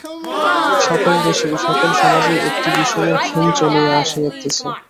সকল দেশেই, সকল সমাজেই একটি বিষম ভ্রম চলিয়া আসিতেছে।